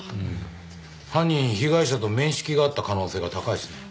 犯人被害者と面識があった可能性が高いですね。